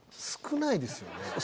少ないですよね。